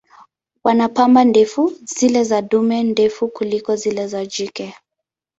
Wana pamba ndefu, zile za dume ndefu kuliko zile za jike.